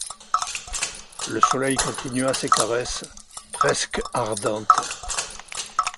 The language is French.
Le soleil continua ses caresses, presque ardentes.